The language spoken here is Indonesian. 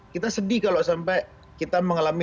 kita sedih kalau sampai kita mengalami